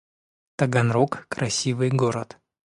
Таганрог — красивый город